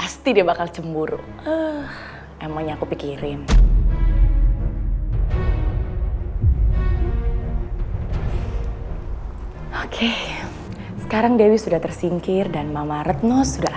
sampai jumpa di video selanjutnya